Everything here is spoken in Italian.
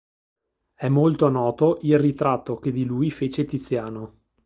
È molto noto il ritratto che di lui fece Tiziano.